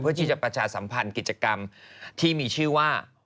ประชาสัมพันธ์กิจกรรมที่มีชื่อว่า